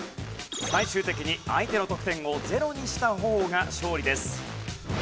最終的に相手の得点を０にした方が勝利です。